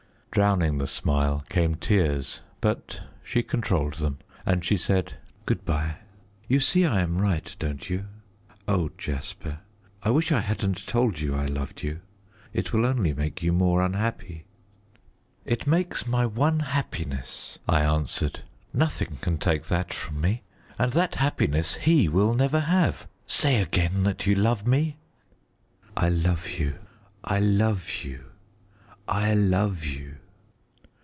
Drowning the smile came tears, but she controlled them, and she said "Good bye; you see I am right, don't you? Oh, Jasper, I wish I hadn't told you I loved you. It will only make you more unhappy." "It makes my one happiness," I answered; "nothing can take that from me. And that happiness he will never have. Say again that you love me!" "I love you! I love you! I love you!"